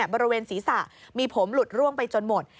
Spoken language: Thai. บริเวณศีรษะมีผมหลุดร่วงไปจนหมด